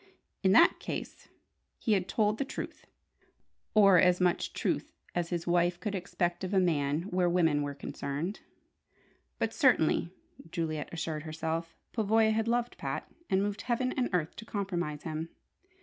In that case he had told the truth or as much truth as his wife could expect of a man where women were concerned. But certainly, Juliet assured herself, Pavoya had loved Pat and moved heaven and earth to compromise him.